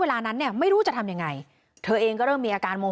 เวลานั้นเนี่ยไม่รู้จะทำยังไงเธอเองก็เริ่มมีอาการมง